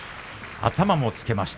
頭もつけました。